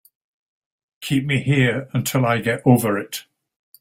Keep me here until I get over it.